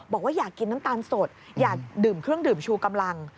บอกว่าอยากกินน้ำตาลสดอยากดื่มเครื่องดื่มชูกำลัง